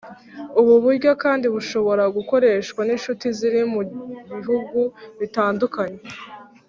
ubu buryo kandi bushobora gukoreshwa n’inshuti ziri mu bihugu bitandukanye